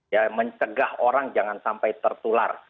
ya mencegah orang jangan sampai tertular